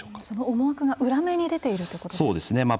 その思惑が裏目に出ているということですか。